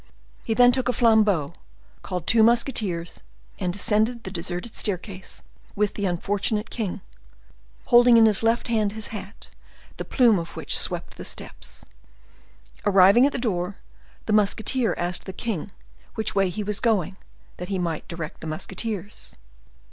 He then took a flambeau, called two musketeers, and descended the deserted staircase with the unfortunate king, holding in his left hand his hat, the plume of which swept the steps. Arrived at the door, the musketeer asked the king which way he was going, that he might direct the musketeers.